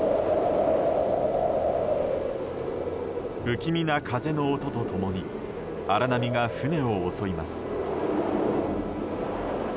不気味な風の音と共に荒波が船を襲います。